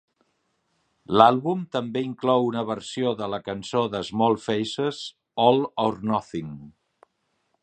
L'àlbum també inclou una versió de la cançó de Small Faces "All or Nothing".